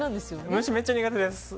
虫めっちゃ苦手です。